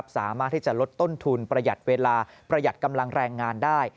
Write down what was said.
สามารถที่จะลดต้นทุนประหยัดเวลาประหยัดกำลังแรงงานได้